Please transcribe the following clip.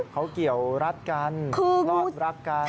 เขาเกี่ยวรัดกันรอดรักกัน